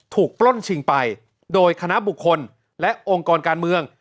ปล้นชิงไปโดยคณะบุคคลและองค์กรการเมือง